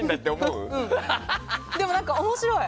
でも面白い。